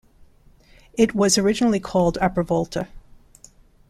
It was originally called Upper Volta.